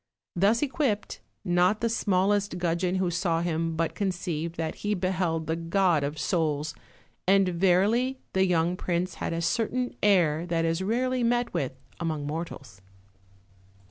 Thus equipped, not the small est gudgeon who saw him but conceived that he beheld the god of soles; and verily, the young prince had a cer tain air that is rarely met with among mortals. OLD, OLD FAIRY TALES.